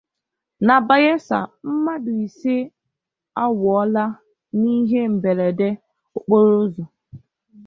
Na Bayelsa, Mmadụ Ise Anwụọla n'Ihe Mberede Okporoụzọ